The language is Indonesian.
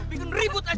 paling daripada buruk